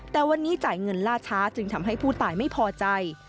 แต่วันนี้จ่ายเงินล่าช้าจึงทำให้ผู้ตายไม่พอใจ